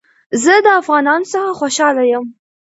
زه د افغانانو څخه خوشحاله يم